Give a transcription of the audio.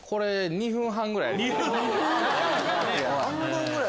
２分半⁉半分ぐらい